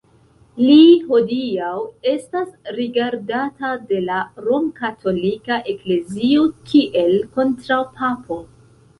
Li hodiaŭ estas rigardata de la Romkatolika Eklezio kiel kontraŭpapo.